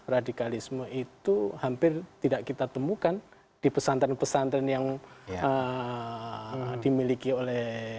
radikalisme itu hampir tidak kita temukan di pesantren pesantren yang dimiliki oleh